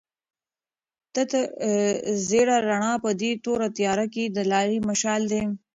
تته زېړه رڼا په دې توره تیاره کې د لارې مشال دی.